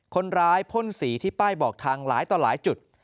พ่นสีที่ป้ายบอกทางหลายต่อหลายจุด